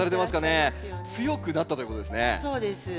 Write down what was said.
強くなったということですよね。